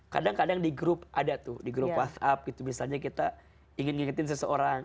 kadang kadang di grup ada tuh di grup whatsapp gitu misalnya kita ingin ngingetin seseorang